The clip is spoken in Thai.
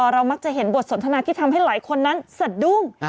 เรามักจะเห็นบทสนทนาที่ทำให้หลายคนนั้นสะดุ้ง